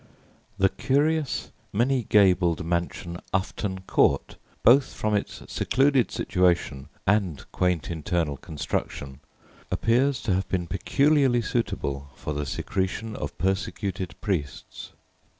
The curious, many gabled mansion Ufton Court both from its secluded situation and quaint internal construction, appears to have been peculiarly suitable for the secretion of persecuted priests.